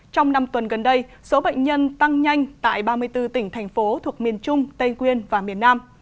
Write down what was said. trong năm tuần gần đây số bệnh nhân tăng nhanh tại ba mươi bốn tỉnh thành phố thuộc miền trung tây nguyên và miền nam